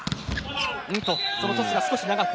そのトスが少し長く。